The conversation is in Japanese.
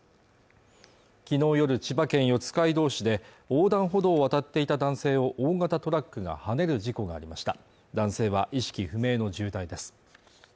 昨日夜、千葉県四街道市で横断歩道を渡っていた男性を大型トラックがはねる事故がありました男性は意識不明の重体です